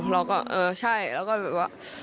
เราก็เออใช่แล้วก็แบบว่า